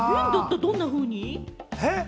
どんなふうに？